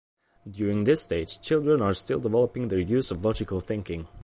During this stage children are still developing their use of logical thinking.